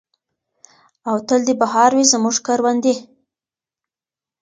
او تل دې بہار وي زموږ کروندې.